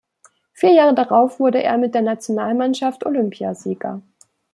Vier Jahre darauf wurde er mit der Nationalmannschaft Olympiasieger.